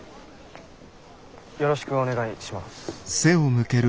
よろしくお願いします。